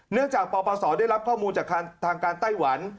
เนื่องจากปปศได้รับข้อมูลจากทางการไต้หวัน